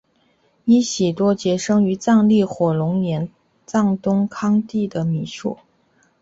依喜多杰生于藏历火龙年藏东康地的米述。